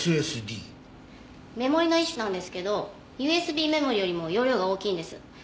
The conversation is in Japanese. メモリーの一種なんですけどＵＳＢメモリーよりも容量が大きいんです。